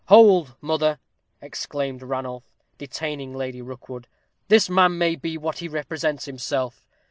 "Hold, mother!" exclaimed Ranulph, detaining Lady Rookwood; "this man may be what he represents himself.